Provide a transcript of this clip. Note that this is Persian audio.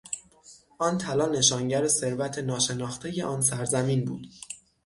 آن طلا نشانگر ثروت ناشناختهی آن سرزمین بود.